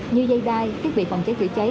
như dây đai thiết bị phòng chế chữa cháy